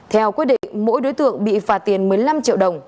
theo quyết định mỗi đối tượng bị phạt tiền một mươi năm triệu đồng